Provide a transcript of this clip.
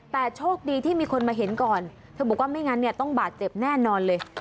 แต่โชคดีที่มีคนมาเห็นก่อนเธอบอกว่าไม่งั้นเนี่ยต้องบาดเจ็บแน่นอนเลย